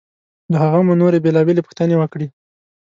له هغه مو نورې بېلابېلې پوښتنې وکړې.